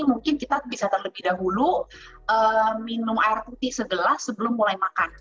mungkin kita bisa terlebih dahulu minum air putih segelas sebelum mulai makan